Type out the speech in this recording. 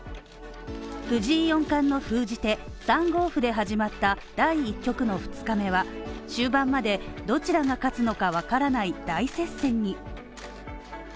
藤井４冠の封じ手３五歩で始まった第１局の２日目は終盤までどちらが勝つのかわからない大接戦に。